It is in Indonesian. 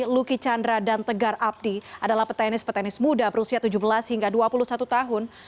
luki chandra dan tegar abdi adalah petenis petenis muda berusia tujuh belas hingga dua puluh satu tahun